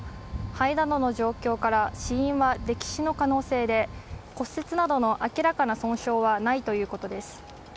肺などの状況から死因は溺死の可能性で骨折などの明らかな損傷はないということです。